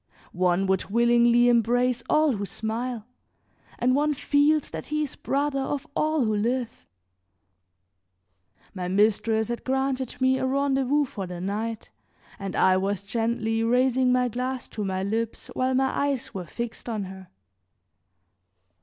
One would willingly embrace all who smile, and one feels that he is brother of all who live. My mistress had granted me a rendezvous for the night and I was gently raising my glass to my lips while my eyes were fixed on her.